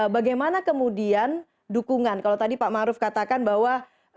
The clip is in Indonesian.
bagaimana kemudian dukungan kalau tadi pak ma'ruf katakan bahwa